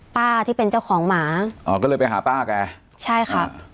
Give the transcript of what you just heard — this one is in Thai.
ป้าที่เป็นเจ้าของหมาอ๋อก็เลยไปหาป้าแกใช่ค่ะ